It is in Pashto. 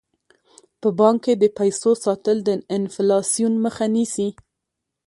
په بانک کې د پیسو ساتل د انفلاسیون مخه نیسي.